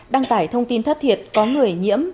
đăng tải thông tin thất thiệt có người nhiễm